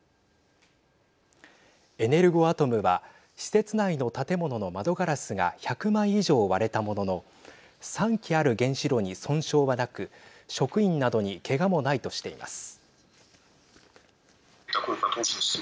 エネルゴアトムは施設内の建物の窓ガラスが１００枚以上、割れたものの３基ある原子炉に損傷はなく職員などにけがもないとしています。